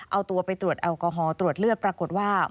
เอาตัวไปตรวจแอลกอฮอลตรวจเลือดปรากฏว่า